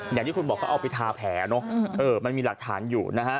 อย่างที่คุณบอกก็เอาไปทาแผลมันมีหลักฐานอยู่